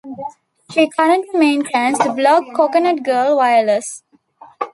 She currently maintains the blog Coconut Girl Wireless.